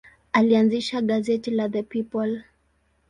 Alianzisha gazeti la The People.